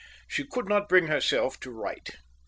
She could not bring herself to write.